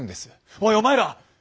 「おいお前ら！」。